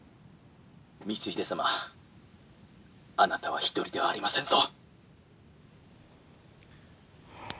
「光秀様あなたは一人ではありませんぞ」。